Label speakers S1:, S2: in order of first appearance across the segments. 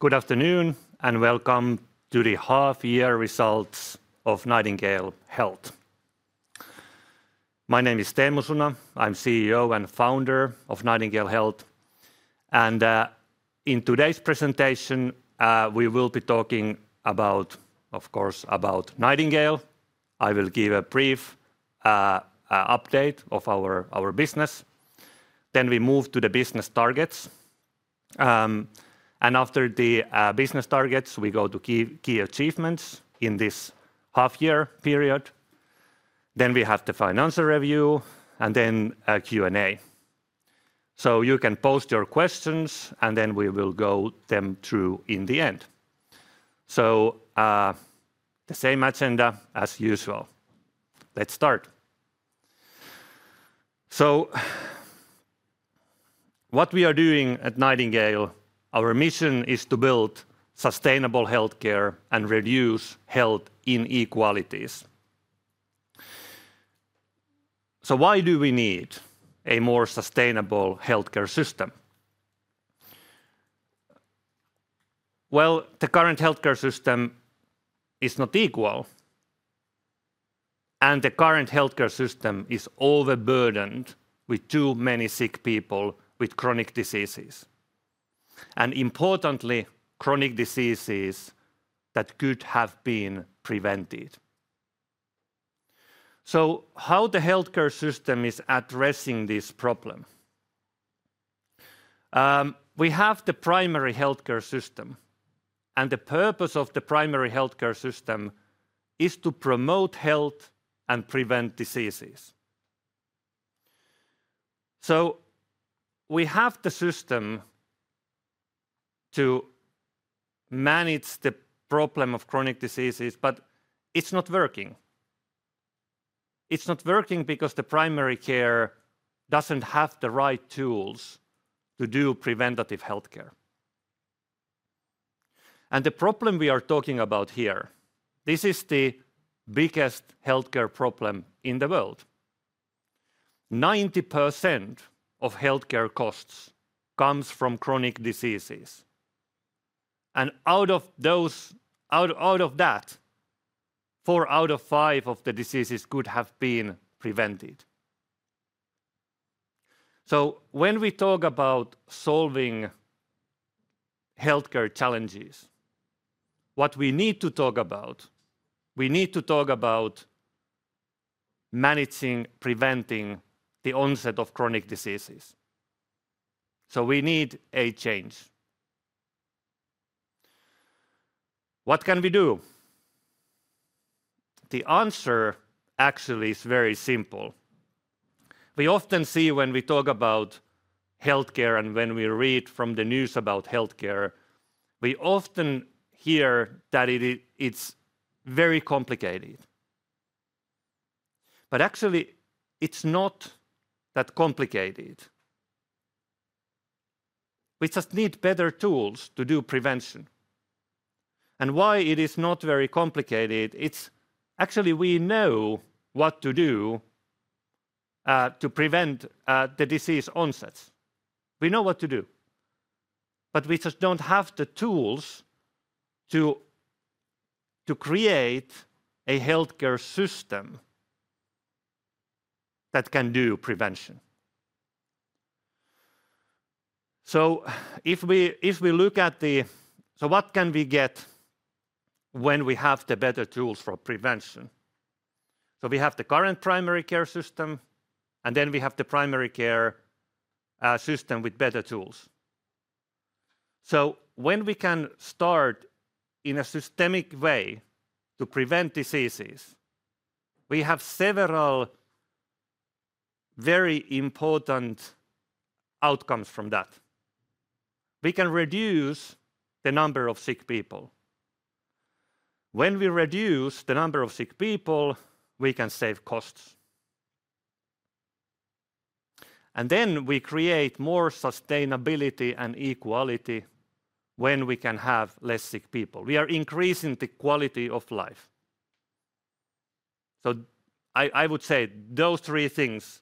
S1: Good afternoon and welcome to the half-year results of Nightingale Health. My name is Teemu Suna. I'm CEO and Founder of Nightingale Health. In today's presentation, we will be talking about, of course, Nightingale. I will give a brief update of our business. We move to the business targets. After the business targets, we go to key achievements in this half-year period. We have the financial review and then a Q&A. You can post your questions, and we will go them through in the end. The same agenda as usual. Let's start. What we are doing at Nightingale, our mission is to build sustainable healthcare and reduce health inequalities. Why do we need a more sustainable healthcare system? The current healthcare system is not equal. The current healthcare system is overburdened with too many sick people with chronic diseases. Importantly, chronic diseases that could have been prevented. How is the healthcare system addressing this problem? We have the primary healthcare system. The purpose of the primary healthcare system is to promote health and prevent diseases. We have the system to manage the problem of chronic diseases, but it's not working. It's not working because primary care doesn't have the right tools to do preventative healthcare. The problem we are talking about here, this is the biggest healthcare problem in the world. 90% of healthcare costs come from chronic diseases. Out of that, four out of five of the diseases could have been prevented. When we talk about solving healthcare challenges, what we need to talk about, we need to talk about managing, preventing the onset of chronic diseases. We need a change. What can we do? The answer actually is very simple. We often see when we talk about healthcare and when we read from the news about healthcare, we often hear that it's very complicated. Actually, it's not that complicated. We just need better tools to do prevention. Why it is not very complicated, it's actually we know what to do to prevent the disease onsets. We know what to do. We just don't have the tools to create a healthcare system that can do prevention. If we look at the, what can we get when we have the better tools for prevention? We have the current primary care system, and then we have the primary care system with better tools. When we can start in a systemic way to prevent diseases, we have several very important outcomes from that. We can reduce the number of sick people. When we reduce the number of sick people, we can save costs. We create more sustainability and equality when we can have less sick people. We are increasing the quality of life. I would say those three things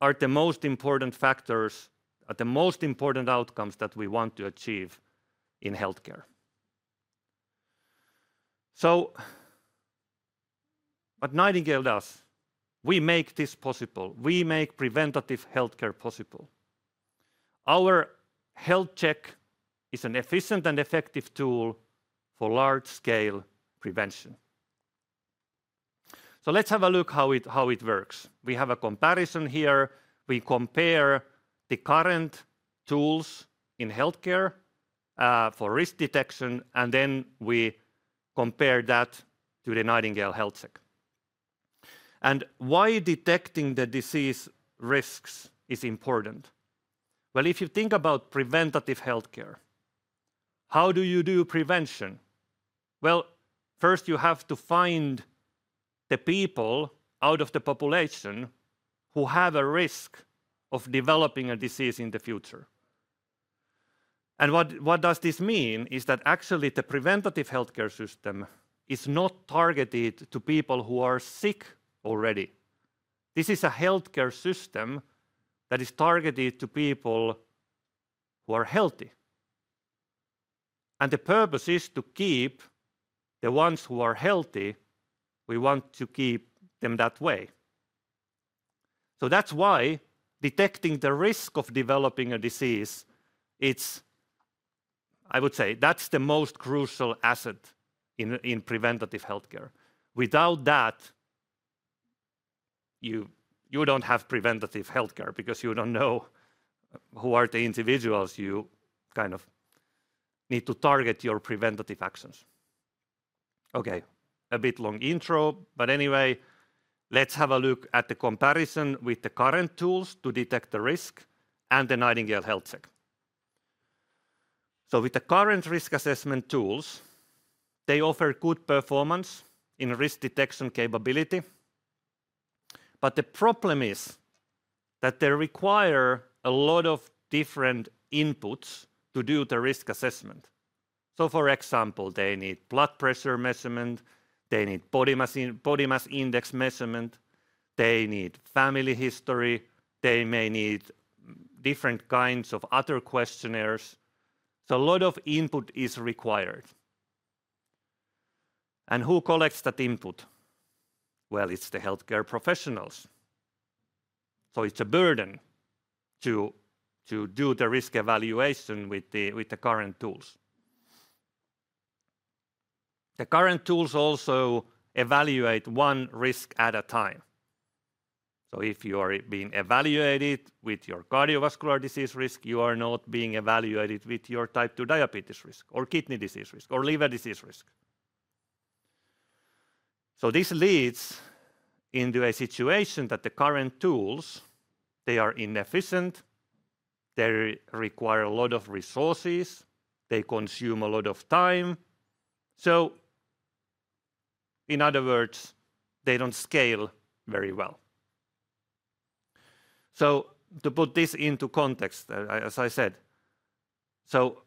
S1: are the most important factors, the most important outcomes that we want to achieve in healthcare. What Nightingale does, we make this possible. We make preventative healthcare possible. Our Health Check is an efficient and effective tool for large-scale prevention. Let's have a look at how it works. We have a comparison here. We compare the current tools in healthcare for risk detection, and then we compare that to the Nightingale Health Check. Why detecting the disease risks is important? If you think about preventative healthcare, how do you do prevention? First you have to find the people out of the population who have a risk of developing a disease in the future. What this means is that actually the preventative healthcare system is not targeted to people who are sick already. This is a healthcare system that is targeted to people who are healthy. The purpose is to keep the ones who are healthy, we want to keep them that way. That is why detecting the risk of developing a disease, it's, I would say, that's the most crucial asset in preventative healthcare. Without that, you do not have preventative healthcare because you do not know who are the individuals you kind of need to target your preventative actions. Okay, a bit long intro, but anyway, let's have a look at the comparison with the current tools to detect the risk and the Nightingale Health Check. With the current risk assessment tools, they offer good performance in risk detection capability. The problem is that they require a lot of different inputs to do the risk assessment. For example, they need blood pressure measurement, they need Body Mass Index measurement, they need family history, they may need different kinds of other questionnaires. A lot of input is required. Who collects that input? It's the healthcare professionals. It's a burden to do the risk evaluation with the current tools. The current tools also evaluate one risk at a time. If you are being evaluated with your cardiovascular disease risk, you are not being evaluated with your type 2 diabetes risk, or kidney disease risk, or liver disease risk. This leads into a situation that the current tools, they are inefficient, they require a lot of resources, they consume a lot of time. In other words, they do not scale very well. To put this into context, as I said,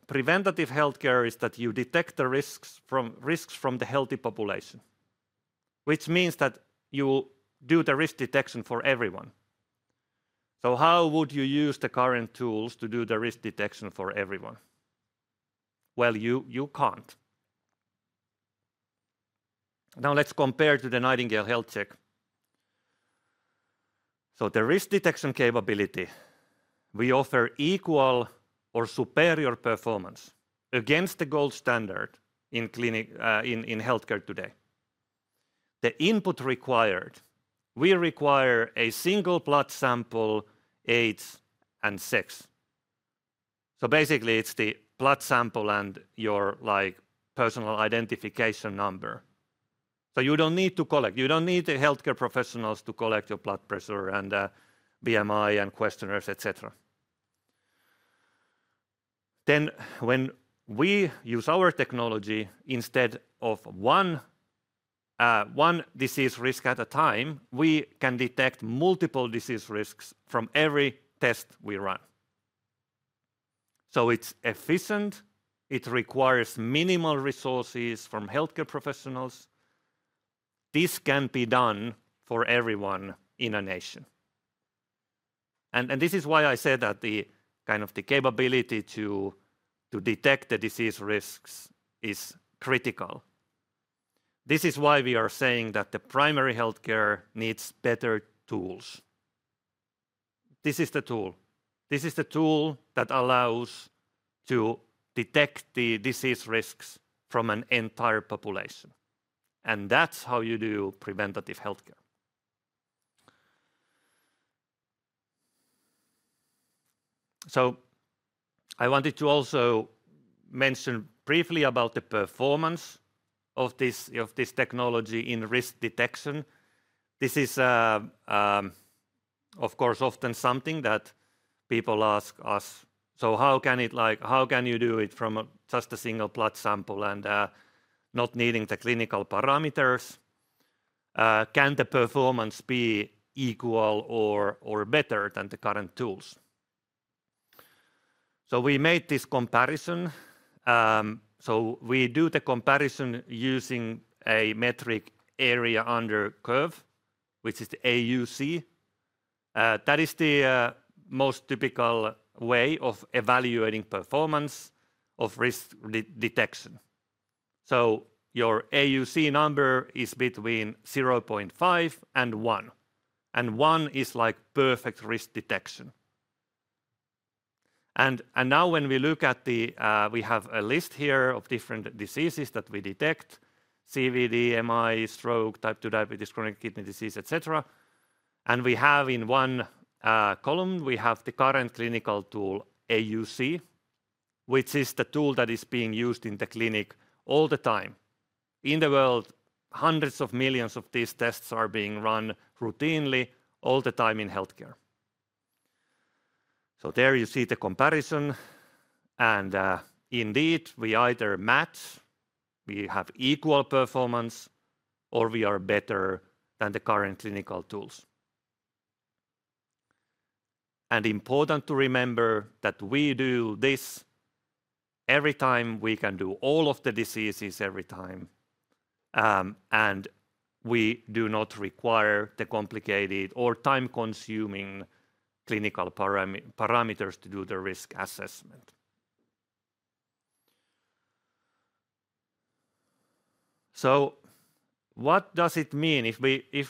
S1: preventative healthcare is that you detect the risks from the healthy population, which means that you do the risk detection for everyone. How would you use the current tools to do the risk detection for everyone? You cannot. Now let's compare to the Nightingale Health Check. The risk detection capability, we offer equal or superior performance against the gold standard in healthcare today. The input required, we require a single blood sample, age, and sex. Basically, it is the blood sample and your Personal Identification Number. You don't need to collect, you don't need the healthcare professionals to collect your blood pressure and BMI and questionnaires, etc. When we use our technology, instead of one disease risk at a time, we can detect multiple disease risks from every test we run. It is efficient, it requires minimal resources from healthcare professionals. This can be done for everyone in a nation. This is why I said that the kind of capability to detect the disease risks is critical. This is why we are saying that the primary healthcare needs better tools. This is the tool. This is the tool that allows us to detect the disease risks from an entire population. That is how you do preventative healthcare. I wanted to also mention briefly about the performance of this technology in risk detection. This is, of course, often something that people ask us. How can you do it from just a single blood sample and not needing the clinical parameters? Can the performance be equal or better than the current tools? We made this comparison. We do the comparison using a metric area under curve, which is the AUC. That is the most typical way of evaluating performance of risk detection. Your AUC number is between 0.5 and 1. 1 is like perfect risk detection. Now when we look at the, we have a list here of different diseases that we detect: CVD, MI, stroke, type 2 diabetes, chronic kidney disease, etc. We have in one column, we have the current clinical tool, AUC, which is the tool that is being used in the clinic all the time. In the world, hundreds of millions of these tests are being run routinely all the time in healthcare. There you see the comparison. Indeed, we either match, we have equal performance, or we are better than the current clinical tools. It is important to remember that we do this every time. We can do all of the diseases every time. We do not require the complicated or time-consuming clinical parameters to do the risk assessment. What does it mean if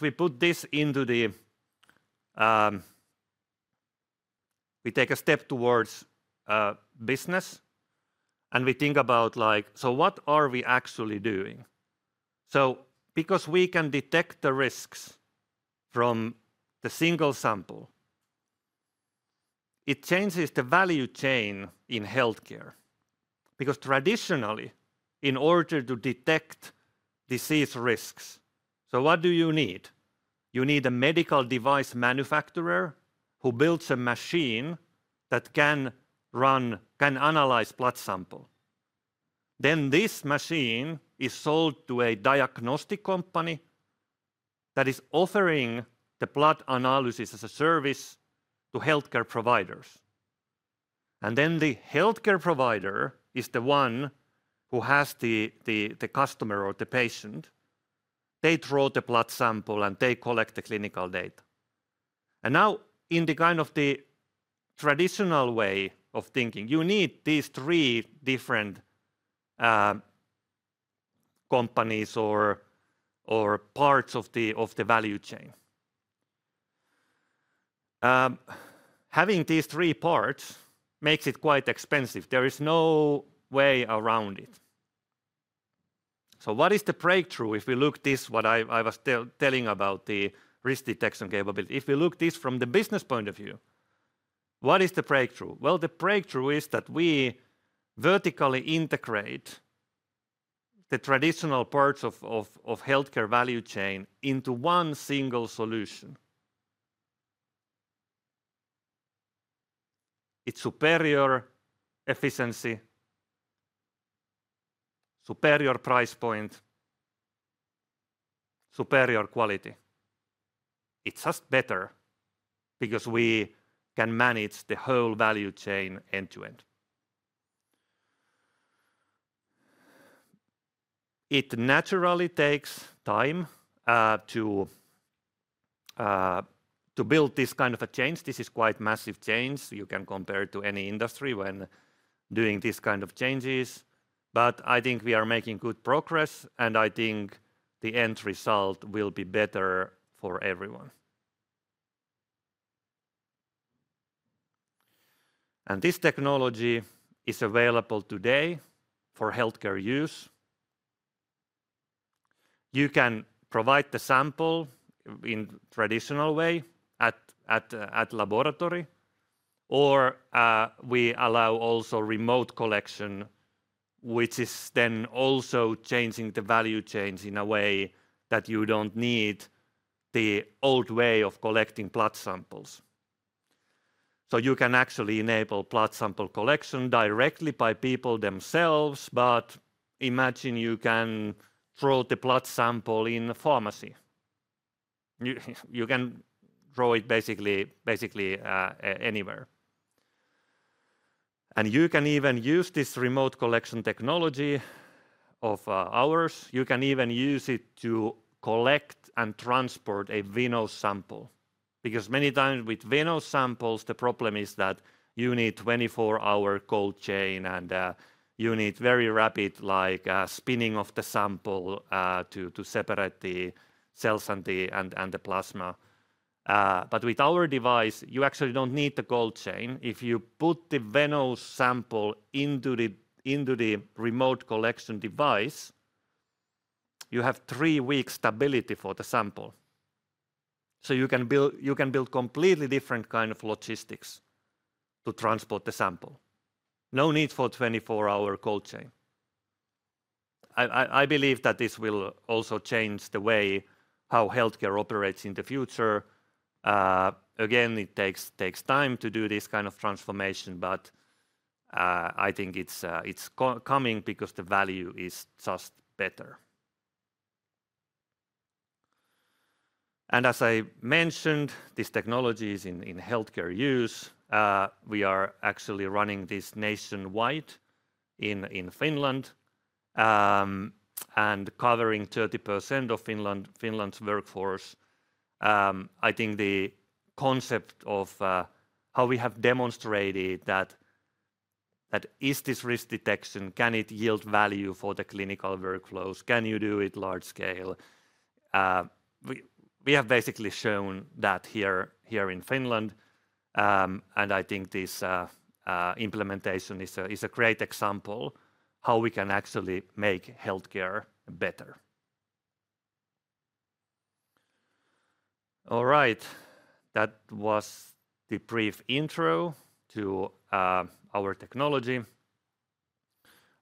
S1: we put this into the, we take a step towards business and we think about, like, what are we actually doing? Because we can detect the risks from the single sample, it changes the value chain in healthcare. Traditionally, in order to detect disease risks, what do you need? You need a medical device manufacturer who builds a machine that can analyze blood sample. This machine is sold to a diagnostic company that is offering the blood analysis as a service to healthcare providers. The healthcare provider is the one who has the customer or the patient. They draw the blood sample and they collect the clinical data. In the kind of the traditional way of thinking, you need these three different companies or parts of the value chain. Having these three parts makes it quite expensive. There is no way around it. What is the breakthrough if we look at this, what I was telling about the risk detection capability? If we look at this from the business point of view, what is the breakthrough? The breakthrough is that we vertically integrate the traditional parts of healthcare value chain into one single solution. It is superior efficiency, superior price point, superior quality. It's just better because we can manage the whole value chain end to end. It naturally takes time to build this kind of a change. This is quite a massive change. You can compare it to any industry when doing these kinds of changes. I think we are making good progress and I think the end result will be better for everyone. This technology is available today for healthcare use. You can provide the sample in a traditional way at a laboratory, or we allow also remote collection, which is then also changing the value chain in a way that you don't need the old way of collecting blood samples. You can actually enable blood sample collection directly by people themselves, but imagine you can draw the blood sample in a pharmacy. You can draw it basically anywhere. You can even use this remote collection technology of ours. You can even use it to collect and transport a venous sample. Because many times with venous samples, the problem is that you need a 24-hour cold chain and you need very rapid spinning of the sample to separate the cells and the plasma. With our device, you actually do not need the cold chain. If you put the venous sample into the remote collection device, you have three weeks' stability for the sample. You can build completely different kinds of logistics to transport the sample. No need for a 24-hour cold chain. I believe that this will also change the way how healthcare operates in the future. It takes time to do this kind of transformation, but I think it is coming because the value is just better. As I mentioned, this technology is in healthcare use. We are actually running this nationwide in Finland and covering 30% of Finland's workforce. I think the concept of how we have demonstrated that is this risk detection, can it yield value for the clinical workflows? Can you do it large scale? We have basically shown that here in Finland. I think this implementation is a great example of how we can actually make healthcare better. All right, that was the brief intro to our technology.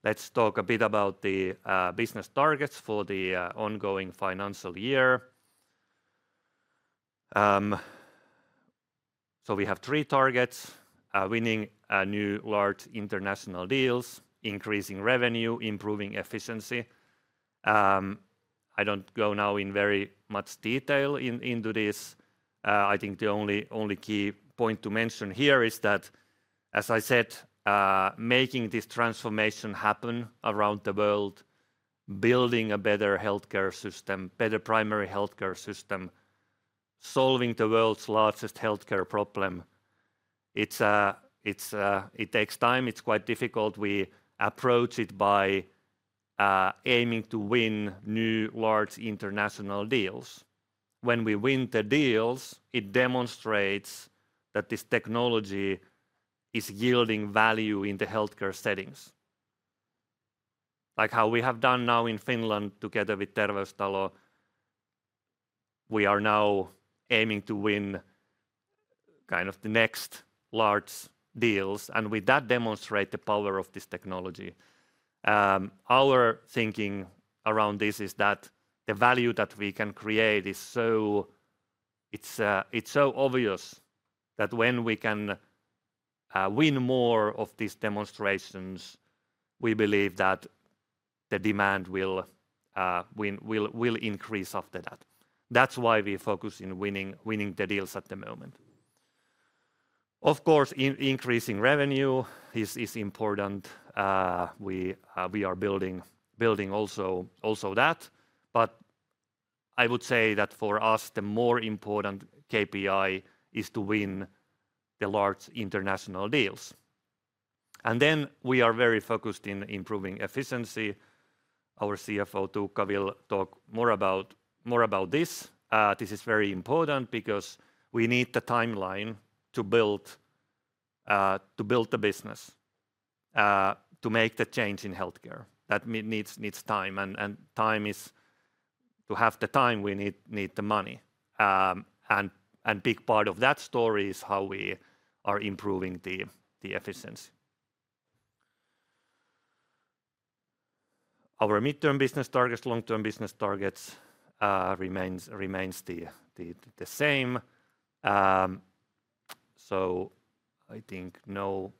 S1: Let's talk a bit about the business targets for the ongoing financial year. We have three targets: winning new large international deals, increasing revenue, improving efficiency. I don't go now in very much detail into this. I think the only key point to mention here is that, as I said, making this transformation happen around the world, building a better healthcare system, a better primary healthcare system, solving the world's largest healthcare problem. It takes time. It's quite difficult. We approach it by aiming to win new large international deals. When we win the deals, it demonstrates that this technology is yielding value in the healthcare settings. Like how we have done now in Finland together with Terveystalo, we are now aiming to win kind of the next large deals. With that, demonstrate the power of this technology. Our thinking around this is that the value that we can create is so obvious that when we can win more of these demonstrations, we believe that the demand will increase after that. That's why we focus on winning the deals at the moment. Of course, increasing revenue is important. We are building also that. I would say that for us, the more important KPI is to win the large international deals. We are very focused on improving efficiency. Our CFO, Tuukka, will talk more about this. This is very important because we need the timeline to build the business, to make the change in healthcare. That needs time. To have the time, we need the money. A big part of that story is how we are improving the efficiency. Our midterm business targets, long-term business targets remain the same. I think no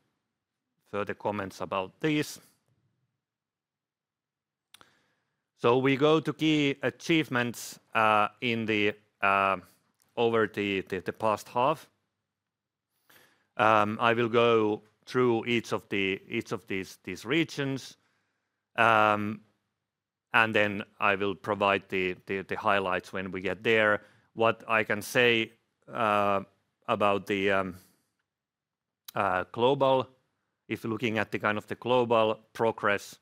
S1: further comments about this. We go to key achievements over the past half. I will go through each of these regions. I will provide the highlights when we get there. What I can say about the global, if looking at the kind of the global progress,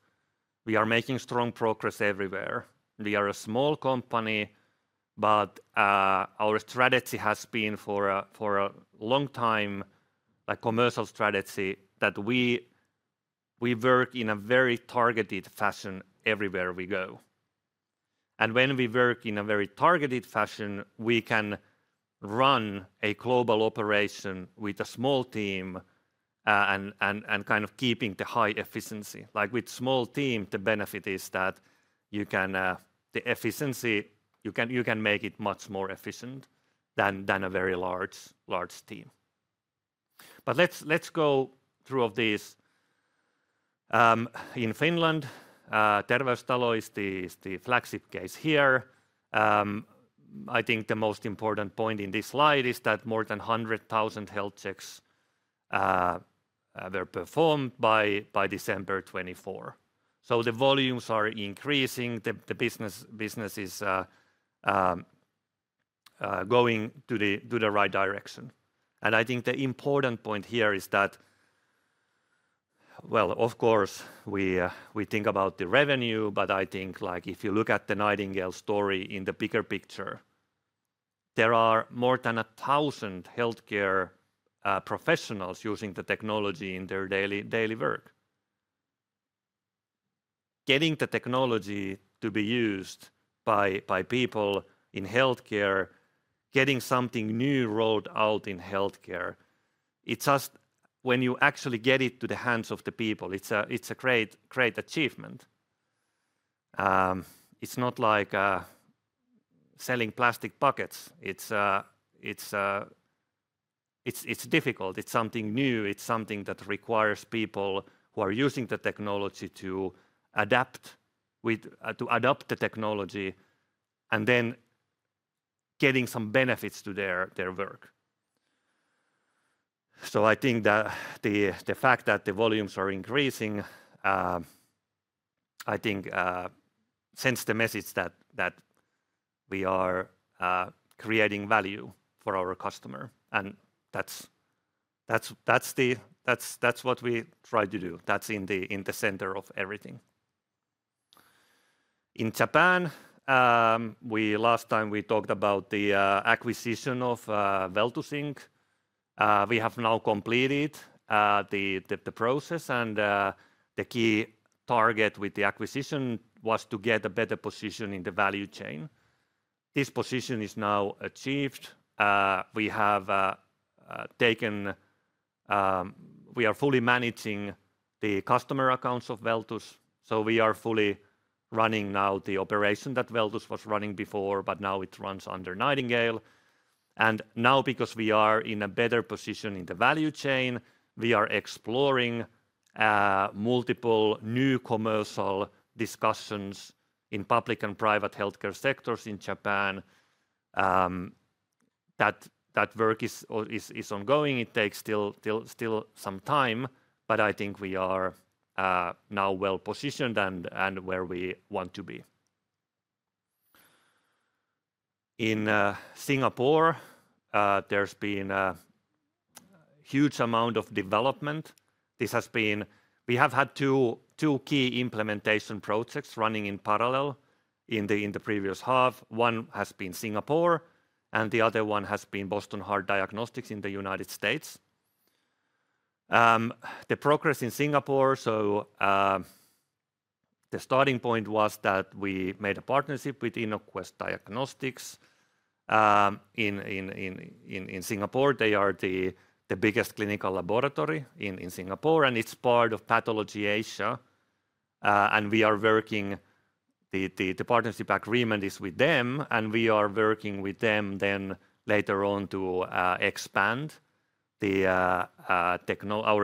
S1: we are making strong progress everywhere. We are a small company, but our strategy has been for a long time, like a commercial strategy, that we work in a very targeted fashion everywhere we go. When we work in a very targeted fashion, we can run a global operation with a small team and kind of keeping the high efficiency. Like with a small team, the benefit is that you can make it much more efficient than a very large team. Let's go through all these. In Finland, Terveystalo is the flagship case here. I think the most important point in this slide is that more than 100,000 health checks were performed by December 2024. The volumes are increasing. The business is going to the right direction. I think the important point here is that, of course, we think about the revenue, but I think like if you look at the Nightingale story in the bigger picture, there are more than 1,000 healthcare professionals using the technology in their daily work. Getting the technology to be used by people in healthcare, getting something new rolled out in healthcare, it's just when you actually get it to the hands of the people, it's a great achievement. It's not like selling plastic buckets. It's difficult. It's something new. It's something that requires people who are using the technology to adapt the technology and then getting some benefits to their work. I think that the fact that the volumes are increasing, I think sends the message that we are creating value for our customer. That's what we try to do. That's in the center of everything. In Japan, last time we talked about the acquisition of Welltus Inc. We have now completed the process. The key target with the acquisition was to get a better position in the value chain. This position is now achieved. We are fully managing the customer accounts of Welltus. We are fully running now the operation that Welltus was running before, but now it runs under Nightingale. Now, because we are in a better position in the value chain, we are exploring multiple new commercial discussions in public and private healthcare sectors in Japan. That work is ongoing. It takes still some time, but I think we are now well positioned and where we want to be. In Singapore, there's been a huge amount of development. We have had two key implementation projects running in parallel in the previous half. One has been Singapore, and the other one has been Boston Heart Diagnostics in the United States. The progress in Singapore, the starting point was that we made a partnership with Innoquest Diagnostics in Singapore. They are the biggest clinical laboratory in Singapore, and it is part of Pathology Asia. We are working, the partnership agreement is with them, and we are working with them then later on to expand our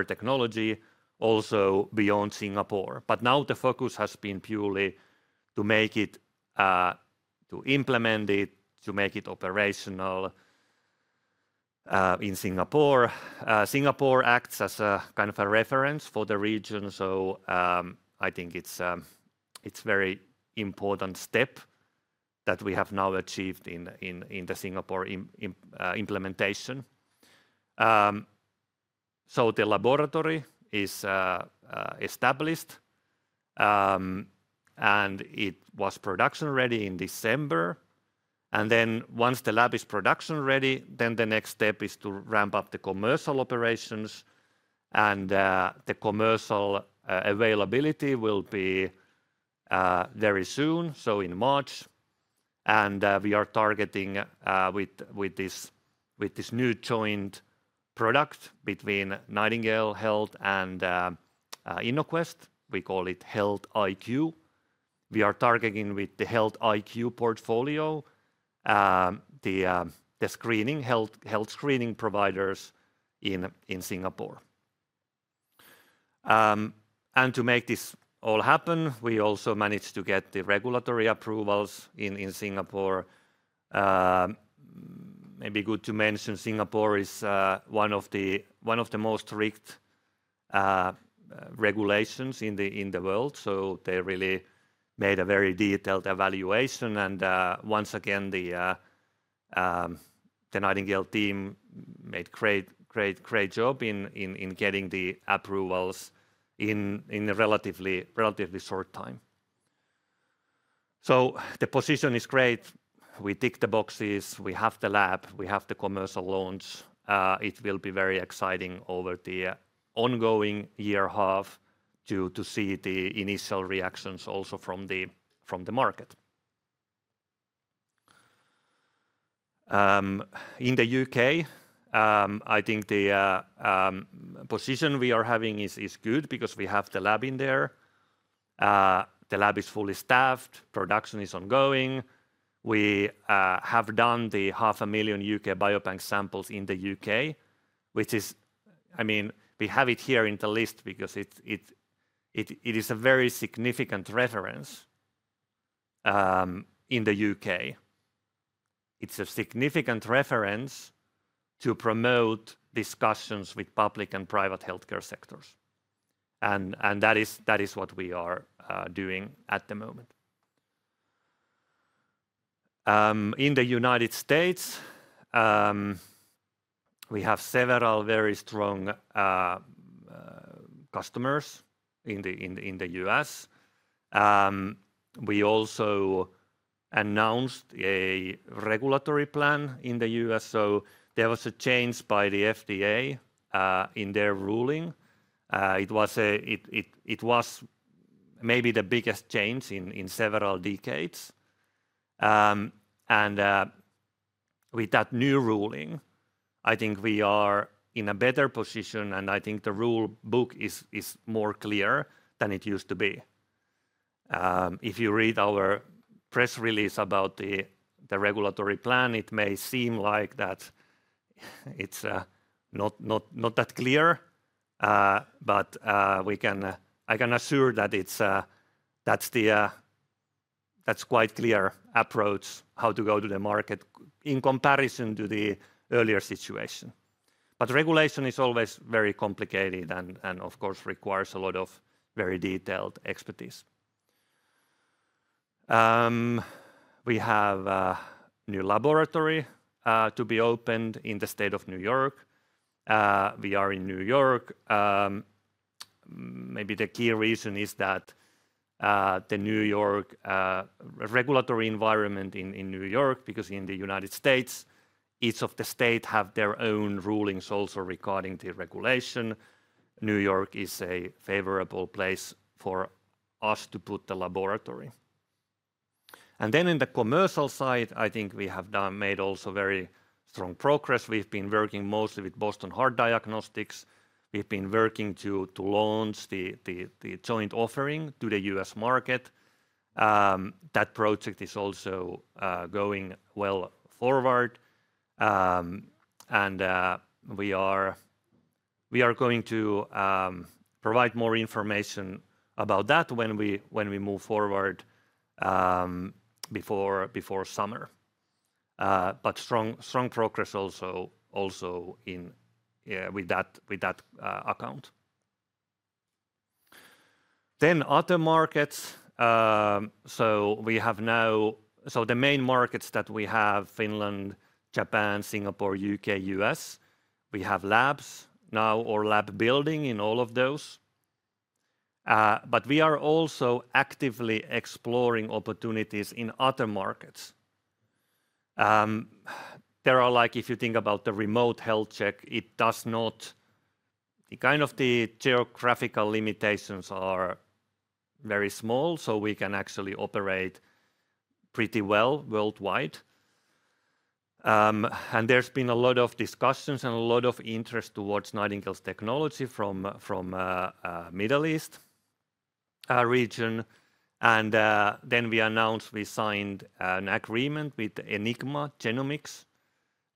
S1: technology also beyond Singapore. Now the focus has been purely to implement it, to make it operational in Singapore. Singapore acts as a kind of a reference for the region, I think it is a very important step that we have now achieved in the Singapore implementation. The laboratory is established, and it was production ready in December. Once the lab is production ready, the next step is to ramp up the commercial operations, and the commercial availability will be very soon, in March. We are targeting with this new joint product between Nightingale Health and Innoquest. We call it HealthIQ. We are targeting with the HealthIQ portfolio, the health screening providers in Singapore. To make this all happen, we also managed to get the regulatory approvals in Singapore. Maybe good to mention Singapore is one of the most strict regulations in the world, so they really made a very detailed evaluation. Once again, the Nightingale team made a great job in getting the approvals in a relatively short time. The position is great. We ticked the boxes. We have the lab. We have the commercial launch. It will be very exciting over the ongoing year and a half to see the initial reactions also from the market. In the U.K., I think the position we are having is good because we have the lab in there. The lab is fully staffed. Production is ongoing. We have done the 500,000 UK Biobank samples in the U.K., which is, I mean, we have it here in the list because it is a very significant reference in the U.K. It's a significant reference to promote discussions with public and private healthcare sectors. That is what we are doing at the moment. In the United States, we have several very strong customers in the U.S. We also announced a regulatory plan in the U.S., so there was a change by the FDA in their ruling. It was maybe the biggest change in several decades. With that new ruling, I think we are in a better position, and I think the rulebook is more clear than it used to be. If you read our press release about the regulatory plan, it may seem like it's not that clear, but I can assure that that's quite a clear approach how to go to the market in comparison to the earlier situation. Regulation is always very complicated and, of course, requires a lot of very detailed expertise. We have a new laboratory to be opened in the state of New York. We are in New York. Maybe the key reason is that the regulatory environment in New York, because in the United States, each of the states has their own rulings also regarding the regulation. New York is a favorable place for us to put the laboratory. In the commercial side, I think we have made also very strong progress. We've been working mostly with Boston Heart Diagnostics. We've been working to launch the joint offering to the U.S. market. That project is also going well forward. We are going to provide more information about that when we move forward before summer. Strong progress also with that account. Other markets. The main markets that we have: Finland, Japan, Singapore, U.K., U.S. We have labs now or lab building in all of those. We are also actively exploring opportunities in other markets. If you think about the remote health check, it does not, the kind of geographical limitations are very small, so we can actually operate pretty well worldwide. There has been a lot of discussions and a lot of interest towards Nightingale's technology from the Middle East region. We announced we signed an agreement with Enigma Genomics.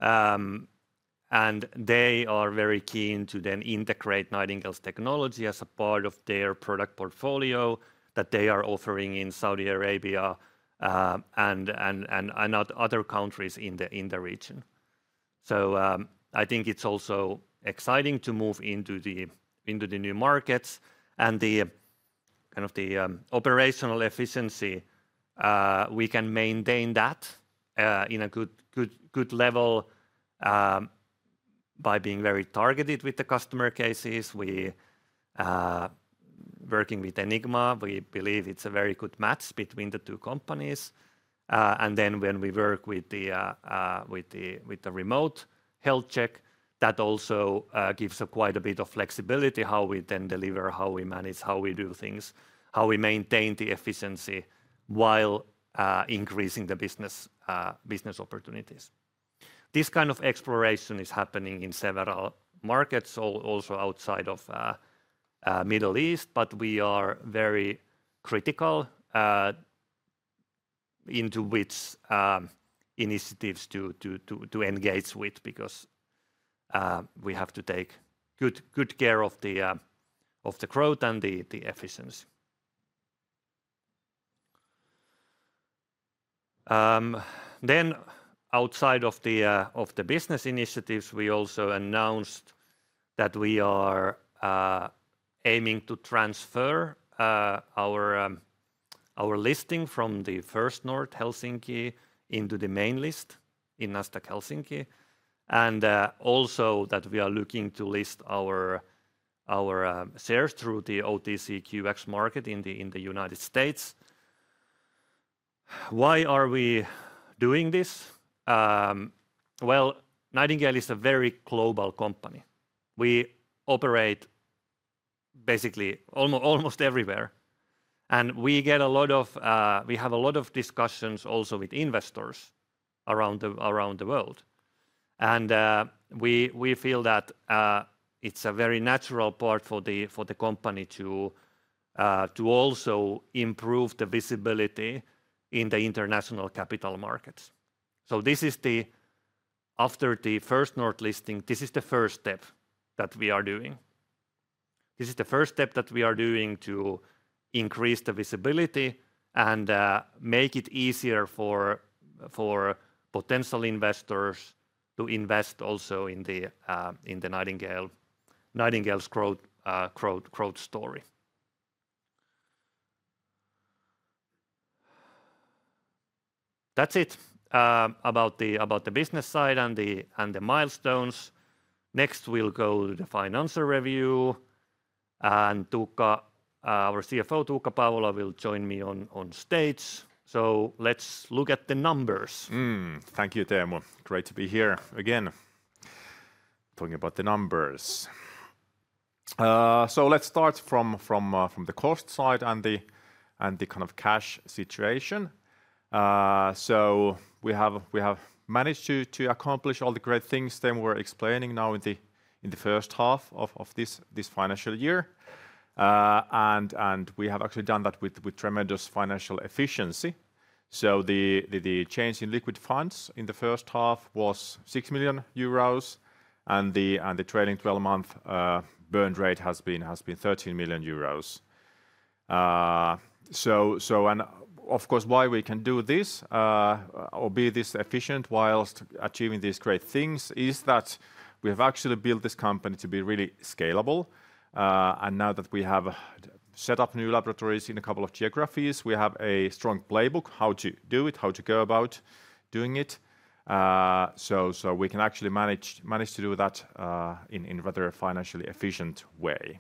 S1: They are very keen to integrate Nightingale's technology as a part of their product portfolio that they are offering in Saudi Arabia and other countries in the region. I think it is also exciting to move into the new markets. The operational efficiency, we can maintain that at a good level by being very targeted with the customer cases. Working with Enigma, we believe it is a very good match between the two companies. When we work with the remote health check, that also gives quite a bit of flexibility in how we deliver, how we manage, how we do things, how we maintain the efficiency while increasing the business opportunities. This kind of exploration is happening in several markets, also outside of the Middle East, but we are very critical into which initiatives to engage with because we have to take good care of the growth and the efficiency. Outside of the business initiatives, we also announced that we are aiming to transfer our listing from the First North Helsinki into the main list in Nasdaq Helsinki. Also, we are looking to list our shares through the OTCQX market in the United States. Why are we doing this? Nightingale is a very global company. We operate basically almost everywhere. We get a lot of, we have a lot of discussions also with investors around the world. We feel that it's a very natural part for the company to also improve the visibility in the international capital markets. This is the, after the First North listing, this is the first step that we are doing. This is the first step that we are doing to increase the visibility and make it easier for potential investors to invest also in the Nightingale's growth story. That's it about the business side and the milestones. Next, we'll go to the financial review. Our CFO, Tuukka Paavola, will join me on stage. Let's look at the numbers.
S2: Thank you, Teemu. Great to be here again. Talking about the numbers. Let's start from the cost side and the kind of cash situation. We have managed to accomplish all the great things Teemu was explaining now in the first half of this financial year. We have actually done that with tremendous financial efficiency. The change in liquid funds in the first half was 6 million euros. The trailing 12-month burn rate has been EUR 13 million. Of course, why we can do this, or be this efficient whilst achieving these great things, is that we have actually built this company to be really scalable. Now that we have set up new laboratories in a couple of geographies, we have a strong playbook how to do it, how to go about doing it. We can actually manage to do that in a rather financially efficient way.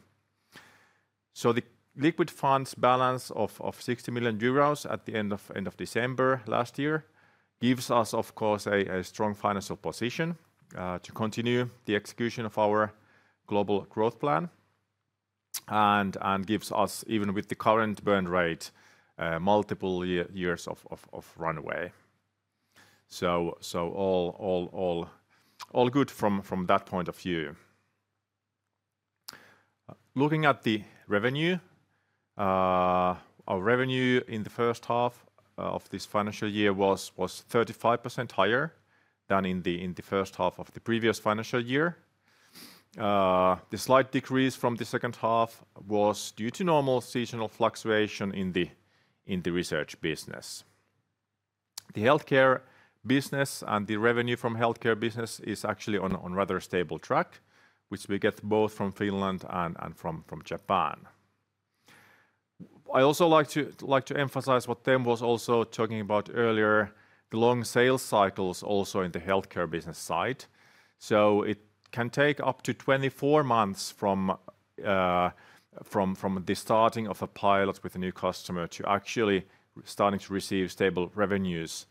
S2: The liquid funds balance of 60 million euros at the end of December last year gives us, of course, a strong financial position to continue the execution of our global growth plan. It gives us, even with the current burn rate, multiple years of runway. All good from that point of view. Looking at the revenue, our revenue in the first half of this financial year was 35% higher than in the first half of the previous financial year. The slight decrease from the second half was due to normal seasonal fluctuation in the research business. The healthcare business and the revenue from healthcare business is actually on a rather stable track, which we get both from Finland and from Japan. I also like to emphasize what Teemu was also talking about earlier, the long sales cycles also in the healthcare business side. It can take up to 24 months from the starting of a pilot with a new customer to actually starting to receive stable revenues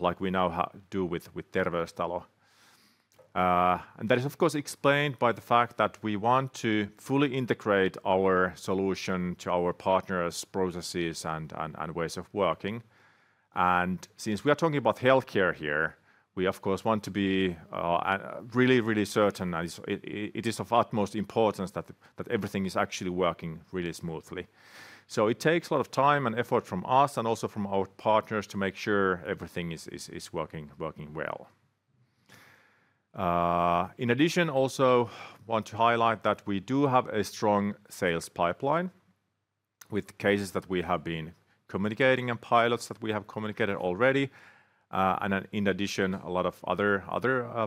S2: like we now do with Terveystalo. That is, of course, explained by the fact that we want to fully integrate our solution to our partners' processes and ways of working. Since we are talking about healthcare here, we, of course, want to be really, really certain that it is of utmost importance that everything is actually working really smoothly. It takes a lot of time and effort from us and also from our partners to make sure everything is working well. In addition, I also want to highlight that we do have a strong sales pipeline with cases that we have been communicating and pilots that we have communicated already. In addition, a lot of other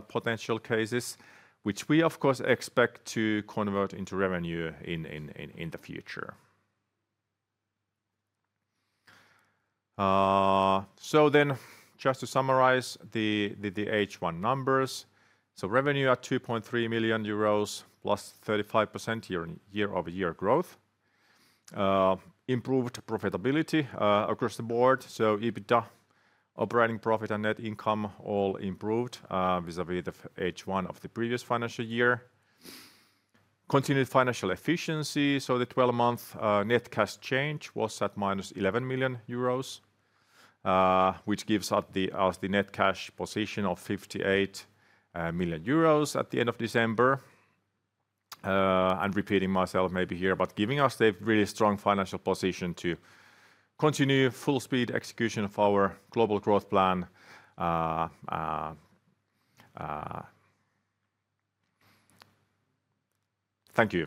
S2: potential cases, which we, of course, expect to convert into revenue in the future. Just to summarize the H1 numbers, revenue at 2.3 million euros plus 35% year-over-year growth. Improved profitability across the board. EBITDA, operating profit and net income all improved vis-à-vis the H1 of the previous financial year. Continued financial efficiency. The 12-month net cash change was at -11 million euros, which gives us the net cash position of 58 million euros at the end of December. I'm repeating myself maybe here, but giving us a really strong financial position to continue full-speed execution of our global growth plan. Thank you.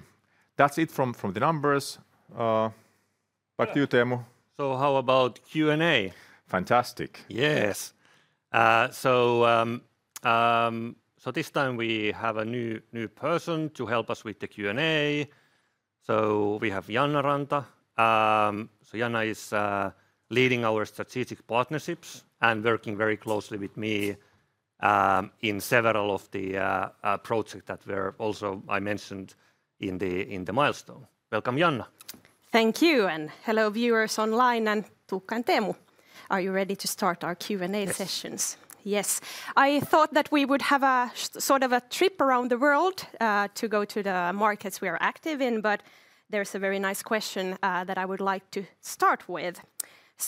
S2: That's it from the numbers. Back to you, Teemu.
S1: How about Q&A?
S2: Fantastic.
S1: Yes. This time we have a new person to help us with the Q&A. We have Janna Ranta. Janna is leading our strategic partnerships and working very closely with me in several of the projects that were also I mentioned in the milestone. Welcome, Janna.
S3: Thank you. Hello, viewers online. Tuukka and Teemu, are you ready to start our Q&A sessions? Yes. I thought that we would have a sort of a trip around the world to go to the markets we are active in, but there's a very nice question that I would like to start with.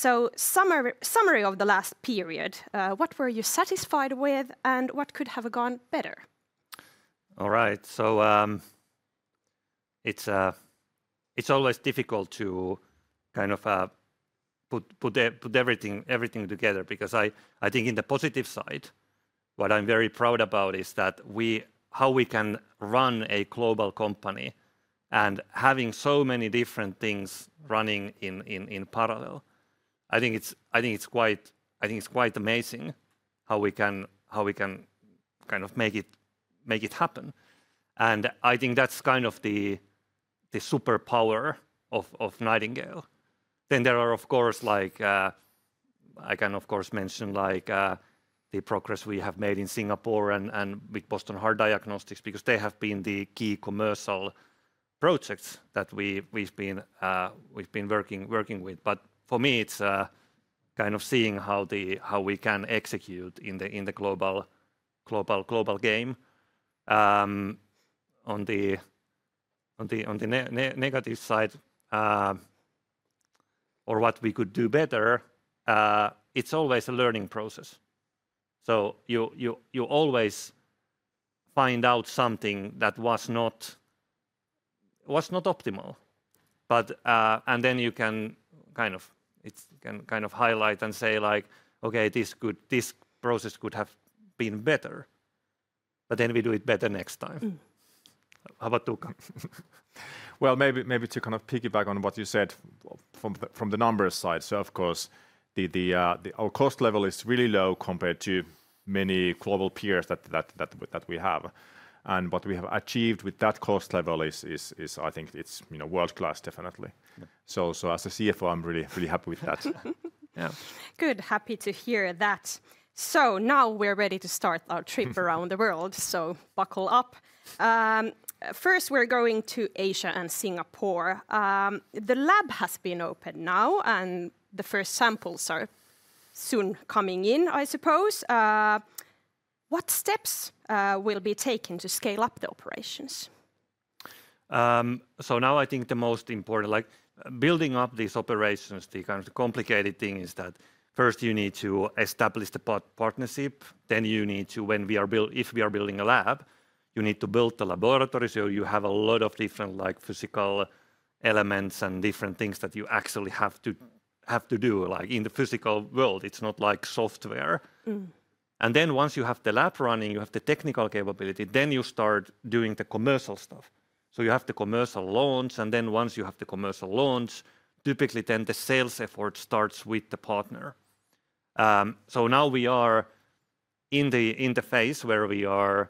S3: A summary of the last period, what were you satisfied with and what could have gone better?
S1: All right. It's always difficult to kind of put everything together because I think on the positive side, what I'm very proud about is how we can run a global company and having so many different things running in parallel. I think it's quite amazing how we can kind of make it happen. I think that's kind of the superpower of Nightingale. There are, of course, like I can, of course, mention the progress we have made in Singapore and with Boston Heart Diagnostics because they have been the key commercial projects that we've been working with. For me, it's kind of seeing how we can execute in the global game. On the negative side, or what we could do better, it's always a learning process. You always find out something that was not optimal. You can kind of highlight and say, "Okay, this process could have been better." We do it better next time. How about Tuukka?
S2: Maybe to kind of piggyback on what you said from the numbers side. Of course, our cost level is really low compared to many global peers that we have. What we have achieved with that cost level is, I think it's world-class, definitely. As a CFO, I'm really happy with that.
S3: Good. Happy to hear that. Now we're ready to start our trip around the world. Buckle up. First, we're going to Asia and Singapore. The lab has been opened now, and the first samples are soon coming in, I suppose. What steps will be taken to scale up the operations?
S1: I think the most important, like building up these operations, the kind of complicated thing is that first you need to establish the partnership. Then you need to, when we are building, if we are building a lab, you need to build the laboratory. You have a lot of different physical elements and different things that you actually have to do. Like in the physical world, it's not like software. Once you have the lab running, you have the technical capability, then you start doing the commercial stuff. You have the commercial launch. Once you have the commercial launch, typically the sales effort starts with the partner. We are in the phase where we are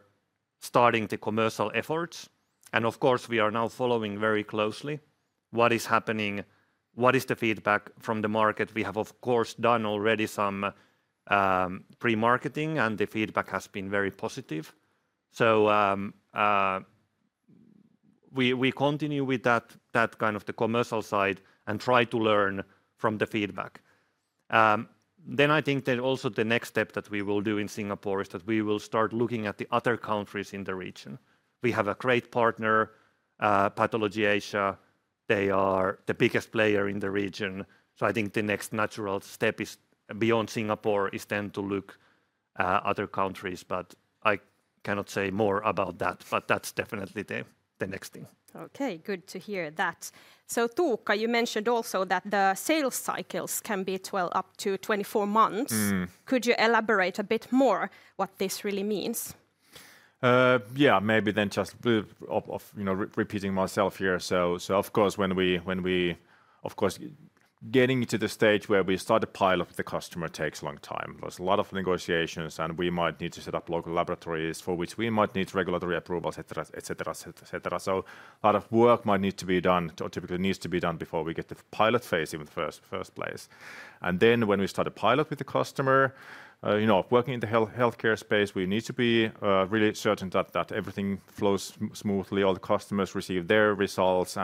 S1: starting the commercial efforts. Of course, we are now following very closely what is happening, what is the feedback from the market. We have, of course, done already some pre-marketing, and the feedback has been very positive. We continue with that kind of the commercial side and try to learn from the feedback. I think that also the next step that we will do in Singapore is that we will start looking at the other countries in the region. We have a great partner, Pathology Asia. They are the biggest player in the region. I think the next natural step beyond Singapore is then to look at other countries. I cannot say more about that. That's definitely the next thing.
S3: Okay, good to hear that. Tuukka, you mentioned also that the sales cycles can be 12-24 months. Could you elaborate a bit more what this really means?
S2: Maybe just repeating myself here. Of course, getting to the stage where we start a pilot with the customer takes a long time. There's a lot of negotiations, and we might need to set up local laboratories for which we might need regulatory approvals, etc., etc. A lot of work might need to be done, or typically needs to be done before we get the pilot phase in the first place. When we start a pilot with the customer, working in the healthcare space, we need to be really certain that everything flows smoothly, all the customers receive their results.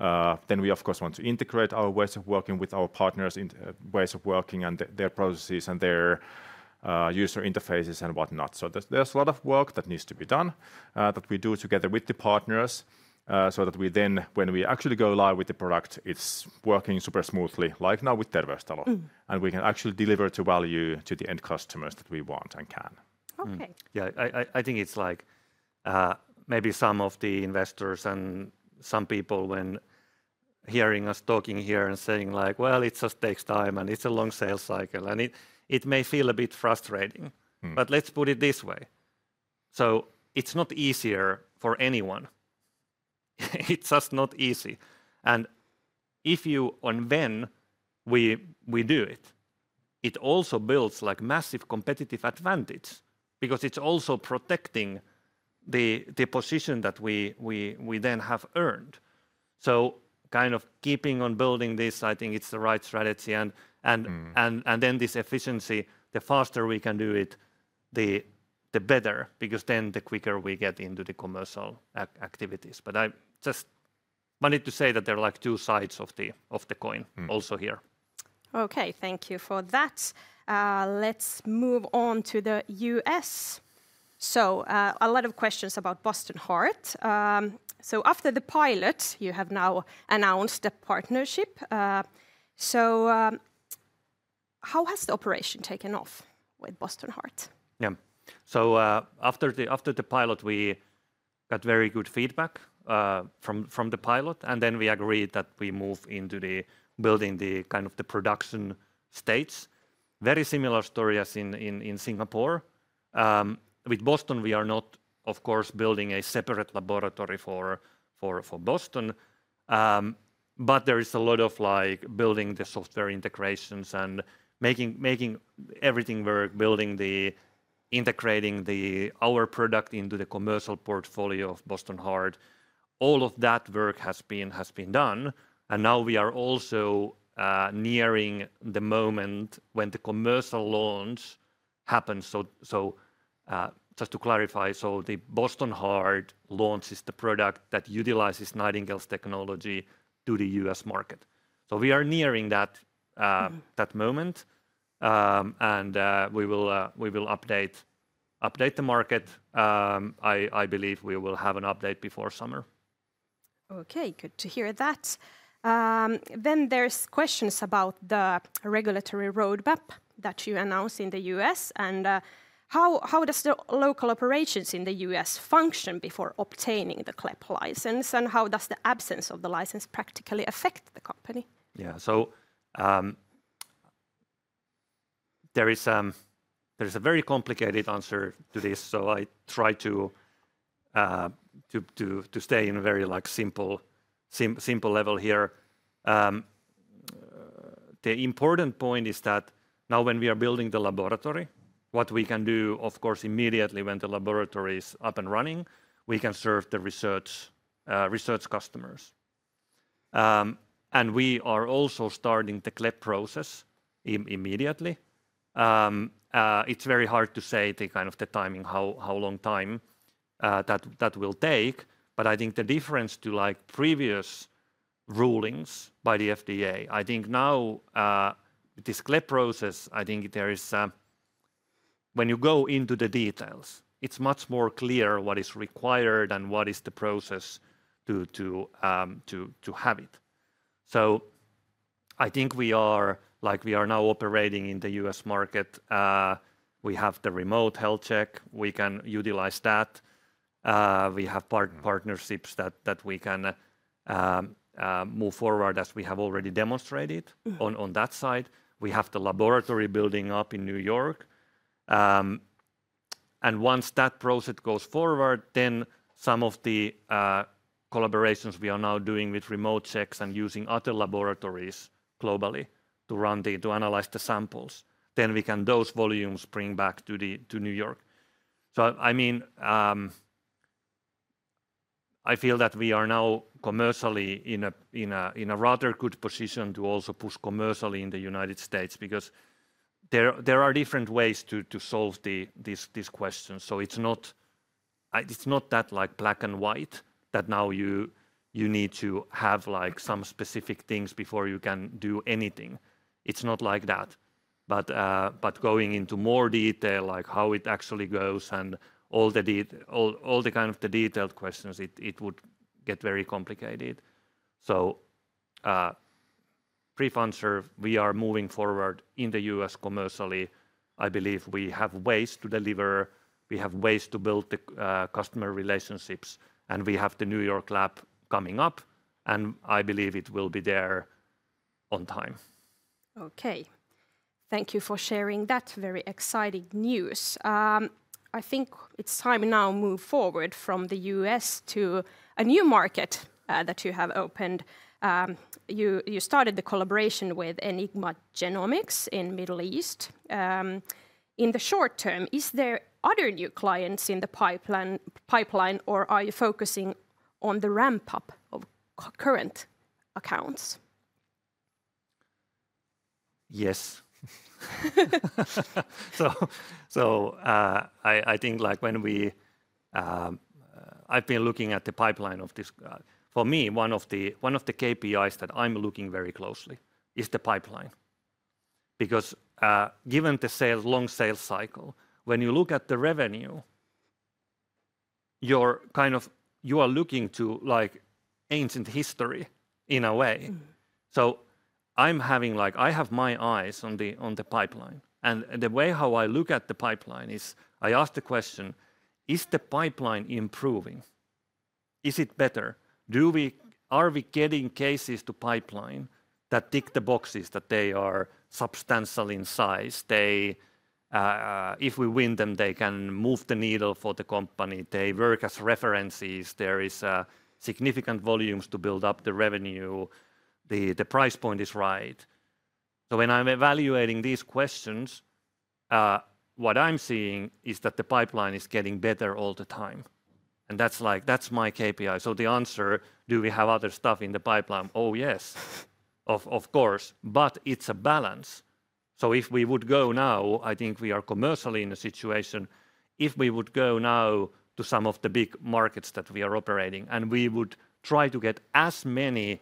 S2: We, of course, want to integrate our ways of working with our partners' ways of working and their processes and their user interfaces and whatnot. There is a lot of work that needs to be done that we do together with the partners so that when we actually go live with the product, it is working super smoothly, like now with Terveystalo. We can actually deliver the value to the end customers that we want and can.
S3: Okay.
S1: Yeah, I think it's like maybe some of the investors and some people when hearing us talking here and saying like, "Well, it just takes time and it's a long sales cycle," and it may feel a bit frustrating. Let's put it this way. It's not easier for anyone. It's just not easy. If you on when we do it, it also builds like massive competitive advantage because it's also protecting the position that we then have earned. Kind of keeping on building this, I think it's the right strategy. This efficiency, the faster we can do it, the better because then the quicker we get into the commercial activities. I just wanted to say that there are like two sides of the coin also here.
S3: Okay, thank you for that. Let's move on to the U.S. A lot of questions about Boston Heart. After the pilot, you have now announced the partnership. How has the operation taken off with Boston Heart?
S1: Yeah. After the pilot, we got very good feedback from the pilot. Then we agreed that we move into building the kind of the production states. Very similar story as in Singapore. With Boston, we are not, of course, building a separate laboratory for Boston. There is a lot of building the software integrations and making everything work, building the integrating our product into the commercial portfolio of Boston Heart. All of that work has been done. Now we are also nearing the moment when the commercial launch happens. Just to clarify, the Boston Heart launches the product that utilizes Nightingale's technology to the U.S. market. We are nearing that moment. We will update the market. I believe we will have an update before summer.
S3: Okay, good to hear that. There are questions about the regulatory roadmap that you announced in the U.S. How do the local operations in the U.S. function before obtaining the CLIA license? How does the absence of the license practically affect the company?
S1: Yeah, there is a very complicated answer to this. I try to stay at a very simple level here. The important point is that now when we are building the laboratory, what we can do, of course, immediately when the laboratory is up and running, we can serve the research customers. We are also starting the CLIA process immediately. It's very hard to say the kind of the timing, how long that will take. I think the difference to previous rulings by the FDA, I think now with this CLIA process, I think there is when you go into the details, it's much more clear what is required and what is the process to have it. I think we are now operating in the U.S. market. We have the remote health check. We can utilize that. We have partnerships that we can move forward as we have already demonstrated on that side. We have the laboratory building up in New York. Once that process goes forward, some of the collaborations we are now doing with remote checks and using other laboratories globally to analyze the samples, we can bring those volumes back to New York. I mean, I feel that we are now commercially in a rather good position to also push commercially in the United States because there are different ways to solve this question. It's not that like black and white that now you need to have some specific things before you can do anything. It's not like that. Going into more detail, like how it actually goes and all the kind of the detailed questions, it would get very complicated. Brief answer, we are moving forward in the U.S. commercially. I believe we have ways to deliver, we have ways to build the customer relationships, and we have the New York lab coming up. I believe it will be there on time.
S3: Okay. Thank you for sharing that very exciting news. I think it's time now to move forward from the U.S. to a new market that you have opened. You started the collaboration with Enigma Genomics in the Middle East. In the short term, is there other new clients in the pipeline, or are you focusing on the ramp-up of current accounts?
S1: Yes. I think like when I've been looking at the pipeline of this. For me, one of the KPIs that I'm looking very closely is the pipeline. Because given the long sales cycle, when you look at the revenue, you are looking to ancient history in a way. I have my eyes on the pipeline. The way how I look at the pipeline is I ask the question, is the pipeline improving? Is it better? Are we getting cases to pipeline that tick the boxes that they are substantial in size? If we win them, they can move the needle for the company. They work as references. There is significant volumes to build up the revenue. The price point is right. When I'm evaluating these questions, what I'm seeing is that the pipeline is getting better all the time. That's my KPI. The answer, do we have other stuff in the pipeline? Oh yes, of course. It's a balance. If we would go now, I think we are commercially in a situation. If we would go now to some of the big markets that we are operating, and we would try to get as many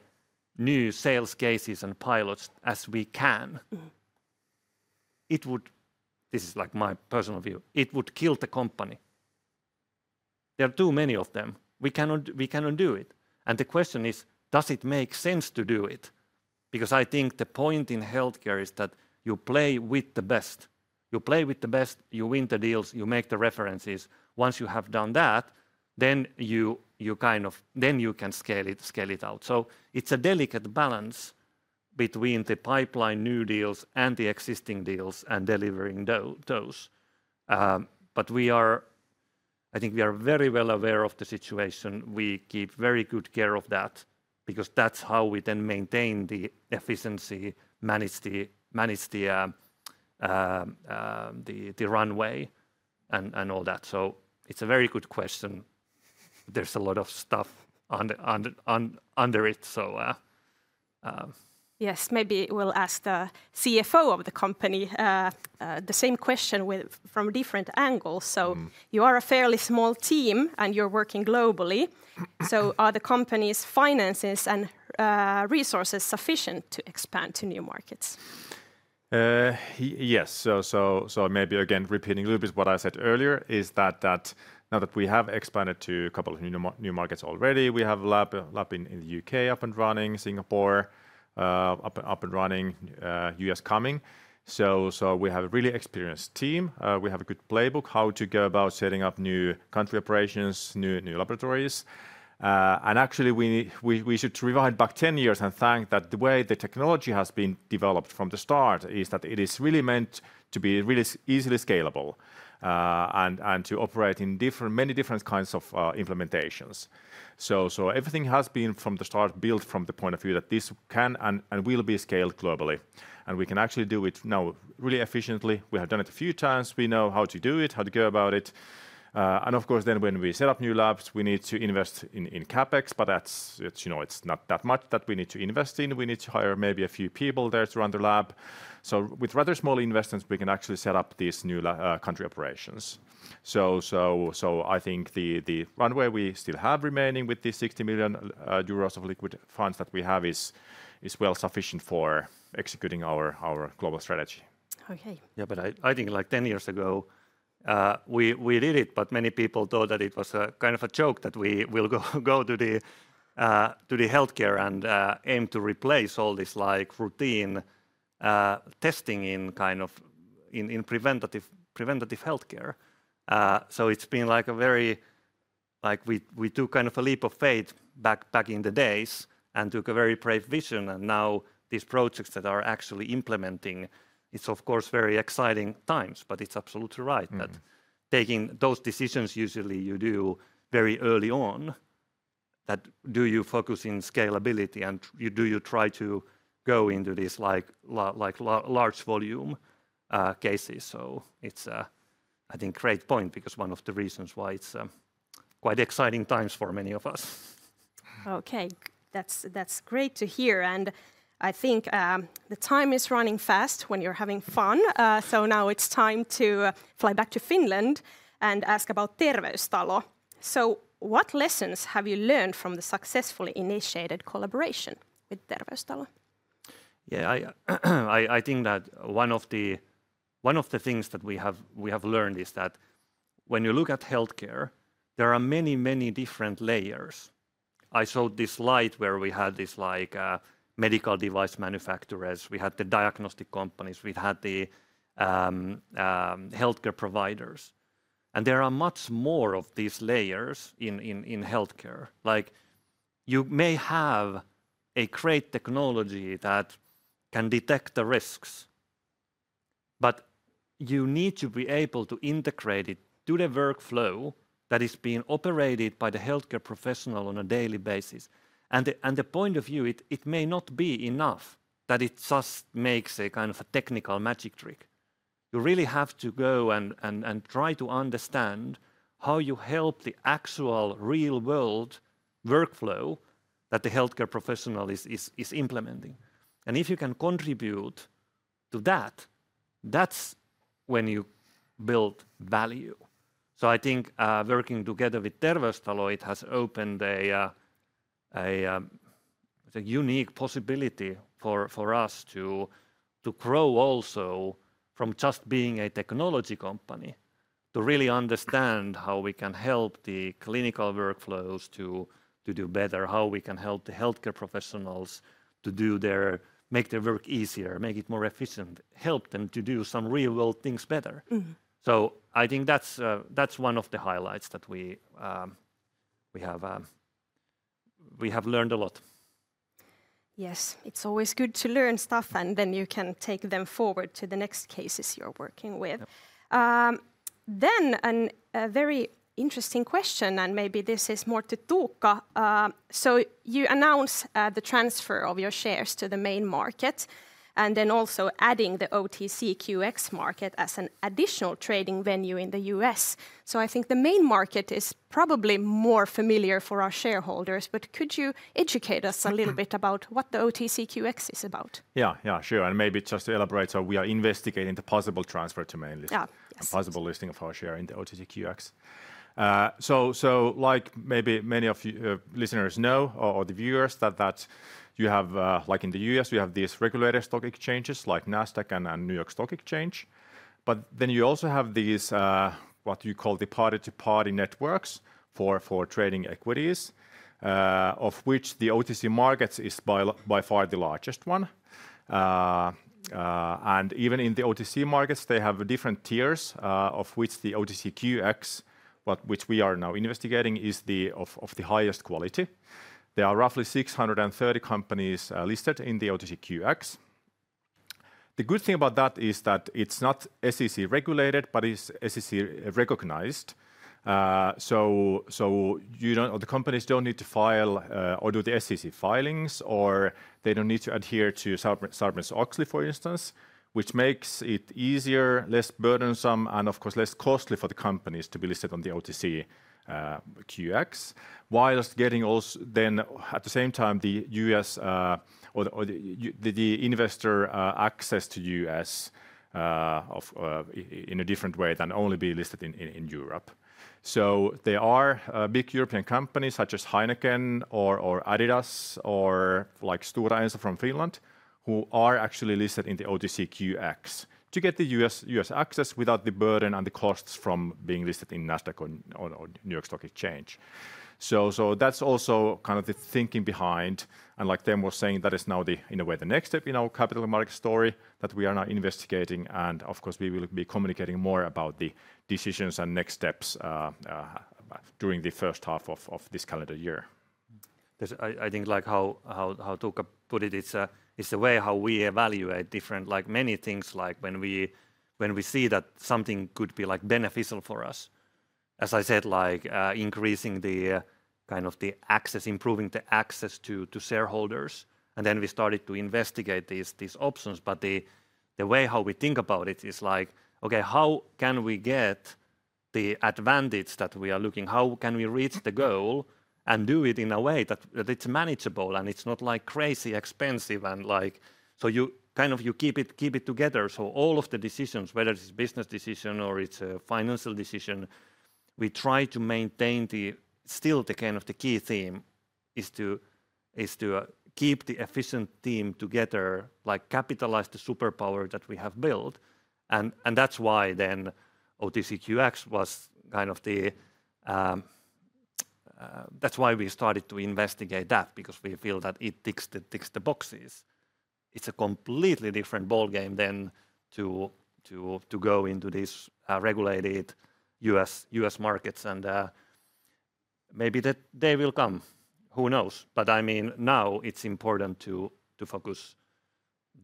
S1: new sales cases and pilots as we can, it would, this is like my personal view, it would kill the company. There are too many of them. We cannot do it. The question is, does it make sense to do it? I think the point in healthcare is that you play with the best. You play with the best, you win the deals, you make the references. Once you have done that, you kind of, then you can scale it out. It is a delicate balance between the pipeline, new deals, and the existing deals and delivering those. I think we are very well aware of the situation. We keep very good care of that because that is how we then maintain the efficiency, manage the runway and all that. It is a very good question. There is a lot of stuff under it.
S3: Yes, maybe we will ask the CFO of the company the same question from different angles. You are a fairly small team and you are working globally. Are the company's finances and resources sufficient to expand to new markets?
S2: Yes. Maybe again, repeating a little bit what I said earlier is that now that we have expanded to a couple of new markets already, we have a lab in the U.K. up and running, Singapore up and running, U.S. coming. We have a really experienced team. We have a good playbook how to go about setting up new country operations, new laboratories. Actually, we should rewind back 10 years and thank that the way the technology has been developed from the start is that it is really meant to be really easily scalable and to operate in many different kinds of implementations. Everything has been from the start built from the point of view that this can and will be scaled globally. We can actually do it now really efficiently. We have done it a few times. We know how to do it, how to go about it. Of course, when we set up new labs, we need to invest in CapEx. It is not that much that we need to invest in. We need to hire maybe a few people there to run the lab. With rather small investments, we can actually set up these new country operations. I think the runway we still have remaining with these 60 million euros of liquid funds that we have is well sufficient for executing our global strategy.
S1: Yeah, I think like 10 years ago, we did it, but many people thought that it was a kind of a joke that we will go to the healthcare and aim to replace all this routine testing in kind of in preventative healthcare. It's been like a very, like we took kind of a leap of faith back in the days and took a very brave vision. Now these projects that are actually implementing, it's of course very exciting times, but it's absolutely right that taking those decisions usually you do very early on that do you focus in scalability and do you try to go into these large volume cases. I think, great point because one of the reasons why it's quite exciting times for many of us.
S3: Okay, that's great to hear. I think the time is running fast when you're having fun. Now it's time to fly back to Finland and ask about Terveystalo. What lessons have you learned from the successfully initiated collaboration with Terveystalo?
S1: Yeah, I think that one of the things that we have learned is that when you look at healthcare, there are many, many different layers. I saw this slide where we had these medical device manufacturers, we had the diagnostic companies, we had the healthcare providers. There are much more of these layers in healthcare. You may have a great technology that can detect the risks, but you need to be able to integrate it to the workflow that is being operated by the healthcare professional on a daily basis. The point of view, it may not be enough that it just makes a kind of a technical magic trick. You really have to go and try to understand how you help the actual real-world workflow that the healthcare professional is implementing. If you can contribute to that, that's when you build value. I think working together with Terveystalo, it has opened a unique possibility for us to grow also from just being a technology company to really understand how we can help the clinical workflows to do better, how we can help the healthcare professionals to make their work easier, make it more efficient, help them to do some real-world things better. I think that's one of the highlights that we have learned a lot.
S3: Yes, it's always good to learn stuff and then you can take them forward to the next cases you're working with. A very interesting question, and maybe this is more to Tuukka. You announced the transfer of your shares to the main market and then also adding the OTCQX market as an additional trading venue in the U.S. I think the main market is probably more familiar for our shareholders, but could you educate us a little bit about what the OTCQX is about?
S2: Yeah, yeah, sure. Maybe just to elaborate, we are investigating the possible transfer to main listing, the possible listing of our share in the OTCQX. Like maybe many of you listeners know or the viewers that you have, like in the U.S., we have these regulatory stock exchanges like Nasdaq and New York Stock Exchange. You also have these what you call the party-to-party networks for trading equities, of which the OTC markets is by far the largest one. Even in the OTC markets, they have different tiers of which the OTCQX, which we are now investigating, is of the highest quality. There are roughly 630 companies listed in the OTCQX. The good thing about that is that it's not SEC regulated, but it's SEC recognized. So the companies don't need to file or do the SEC filings, or they don't need to adhere to Sarbanes-Oxley, for instance, which makes it easier, less burdensome, and of course less costly for the companies to be listed on the OTCQX, whilst getting also then at the same time the investor access to U.S. in a different way than only be listed in Europe. There are big European companies such as HEINEKEN or Adidas or like Stora Enso from Finland who are actually listed in the OTCQX to get the U.S. access without the burden and the costs from being listed in Nasdaq or New York Stock Exchange. That is also kind of the thinking behind, and like Teemu was saying, that is now in a way the next step in our capital market story that we are now investigating. Of course, we will be communicating more about the decisions and next steps during the first half of this calendar year.
S1: I think like how Tuukka put it, it is the way how we evaluate different many things, like when we see that something could be beneficial for us. As I said, like increasing the kind of the access, improving the access to shareholders. Then we started to investigate these options. The way how we think about it is like, okay, how can we get the advantage that we are looking, how can we reach the goal and do it in a way that it is manageable and it is not like crazy expensive? You kind of keep it together. All of the decisions, whether it's a business decision or it's a financial decision, we try to maintain still the key theme is to keep the efficient team together, like capitalize the superpower that we have built. That's why then OTCQX was kind of the, that's why we started to investigate that because we feel that it ticks the boxes. It's a completely different ballgame than to go into these regulated US markets. Maybe they will come, who knows? I mean, now it's important to focus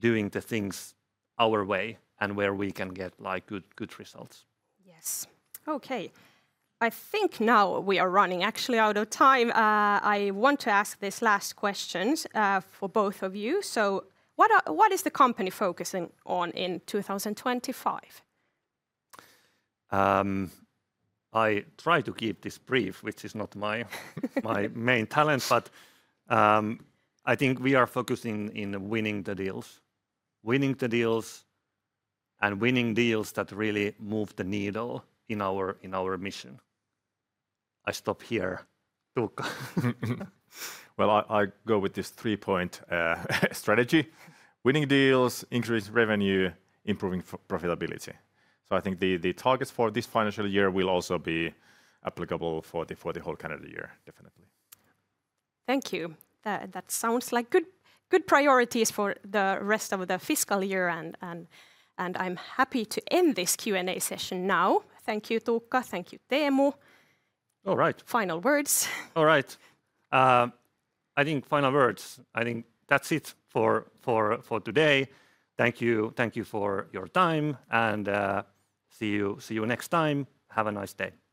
S1: doing the things our way and where we can get good results.
S3: Yes. Okay. I think now we are running actually out of time. I want to ask this last question for both of you. What is the company focusing on in 2025?
S1: I try to keep this brief, which is not my main talent, but I think we are focusing in winning the deals, winning the deals and winning deals that really move the needle in our mission. I stop here, Tuukka.
S2: I go with this three-point strategy. Winning deals, increase revenue, improving profitability. I think the targets for this financial year will also be applicable for the whole calendar year, definitely.
S3: Thank you. That sounds like good priorities for the rest of the fiscal year. I'm happy to end this Q&A session now. Thank you, Tuukka. Thank you, Teemu.
S1: All right.
S3: Final words.
S1: All right. I think final words. I think that's it for today. Thank you for your time and see you next time. Have a nice day.